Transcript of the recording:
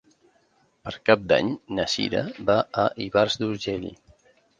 Per Cap d'Any na Cira va a Ivars d'Urgell.